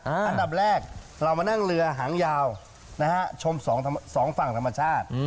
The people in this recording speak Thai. อันดับแรกเรามานั่งเรือหางยาวนะฮะชมสองฝั่งธรรมชาติ